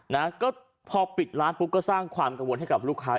นะก็พอปิดร้านปุ๊บก็สร้างความกังวลให้กับลูกค้า